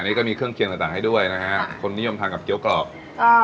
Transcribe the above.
อันนี้ก็มีเครื่องเคียงต่างต่างให้ด้วยนะฮะคนนิยมทานกับเกี้ยวกรอบอ่า